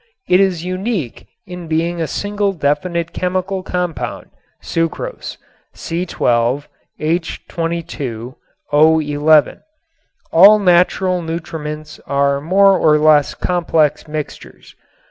It is unique in being a single definite chemical compound, sucrose, C_H_O_. All natural nutriments are more or less complex mixtures.